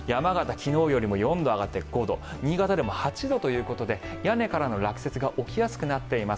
昨日よりも４度上がって５度新潟でも８度ということで屋根からの落雪が起きやすくなっています。